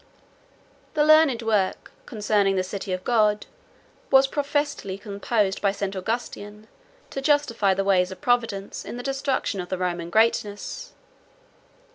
The learned work, concerning the City of God, was professedly composed by St. Augustin, to justify the ways of Providence in the destruction of the Roman greatness.